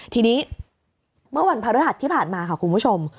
ทีนี้เมื่อวันพระฤหัสที่ผ่านมาค่ะคุณผู้ชม